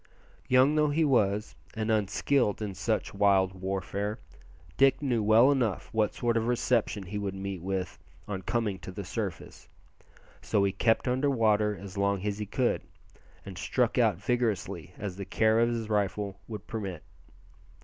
Young though he was, and unskilled in such wild warfare, Dick knew well enough what sort of reception he would meet with on coming to the surface, so he kept under water as long as he could, and struck out as vigorously as the care of his rifle would permit.